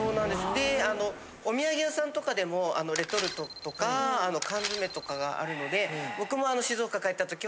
でお土産屋さんとかでもレトルトとか缶詰とかがあるので僕も。